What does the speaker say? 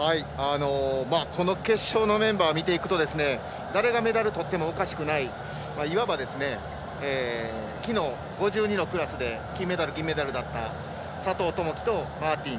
この決勝のメンバーを見ていくと誰がメダルとってもおかしくないいわば、きのう５２のクラスで金メダル、銀メダルだった佐藤友祈とマーティン。